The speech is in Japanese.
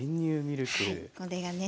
これがね